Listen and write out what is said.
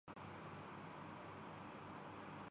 ان قانوں شکن لوگوں کے سامنے حکومت